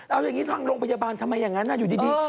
เอาอย่างนี้ทางโรงพยาบาลทำไมอย่างนั้นอยู่ดี